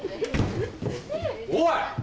おい！